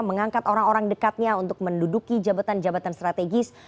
mengangkat orang orang dekatnya untuk menduduki jabatan jabatan strategis